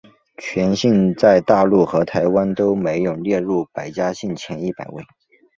全姓在大陆和台湾都没有列入百家姓前一百位。